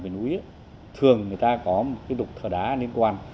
mỗi một làng ở bên núi thường người ta có một đục thở đá liên quan